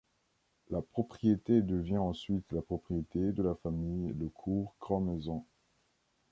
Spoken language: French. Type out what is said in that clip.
La propriété devient ensuite la propriété de la famille Le Cour Grandmaison.